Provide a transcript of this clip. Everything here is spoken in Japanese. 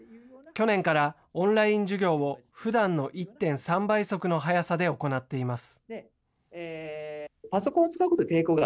去年からオンライン授業をふだんの１．３倍速の速さで行っています。